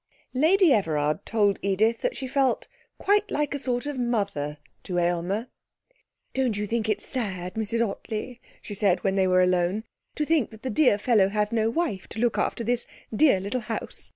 Lady Everard told Edith that she felt quite like a sort of mother to Aylmer. 'Don't you think it's sad, Mrs Ottley,' she said, when they were alone, 'to think that the dear fellow has no wife to look after this dear little house?